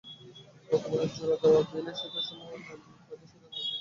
বর্তমানে জোড়া দেওয়া বেইলি সেতুসহ মূল পাকা সেতু নড়বড়ে হয়ে পড়েছে।